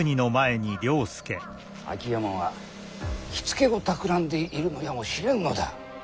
秋山は火付けをたくらんでいるのやもしれぬのだ。